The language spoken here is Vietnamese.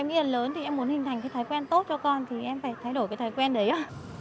nhưng mà em yên lớn thì em muốn hình thành cái thói quen tốt cho con thì em phải thay đổi cái thói quen đấy ạ